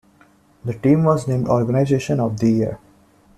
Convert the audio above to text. The team was named Organization of the Year.